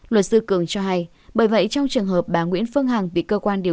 luật sư cường cho hay bởi vậy trong trường hợp bà nguyễn phương hằng bị can phạm tội